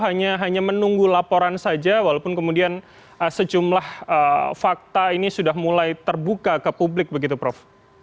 hanya menunggu laporan saja walaupun kemudian sejumlah fakta ini sudah mulai terbuka ke publik begitu prof